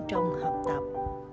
trong học tập